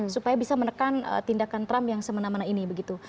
supaya bisa menekan tindakan trump yang semena mena ini begitu